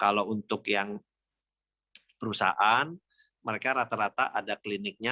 kalau untuk yang perusahaan mereka rata rata ada kliniknya